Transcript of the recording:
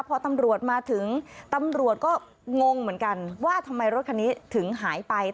พอตำรวจมาถึงตำรวจก็งงเหมือนกันว่าทำไมรถคันนี้ถึงหายไป